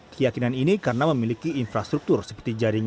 keyakinan ini karena memiliki infrastruktur seperti jaringan edc brilink